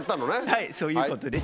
はいそういうことです。